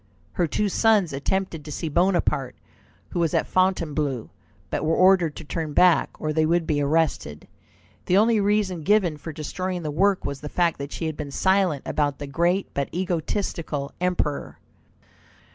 Her two sons attempted to see Bonaparte, who was at Fontainebleau, but were ordered to turn back, or they would be arrested. The only reason given for destroying the work was the fact that she had been silent about the great but egotistical Emperor.